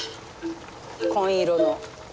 紺色の。